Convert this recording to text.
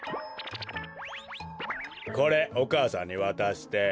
これお母さんにわたして。